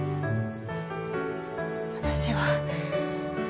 私は